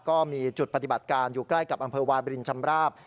ก็มีจุดปฏิบัติการอยู่ใกล้กับอำเภอวาบรินชำราบ